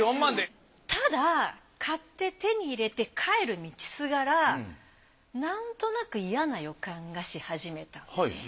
ただ買って手に入れて帰る道すがらなんとなくイヤな予感がし始めたんですね。